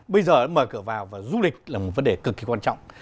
bây giờ mở cửa vào và du lịch là một vấn đề cực kỳ quan trọng